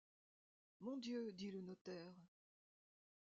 Mon Dieu! dit le notaire.